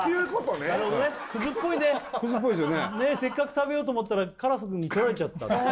ねっせっかく食べようと思ったらカラスに食われちゃった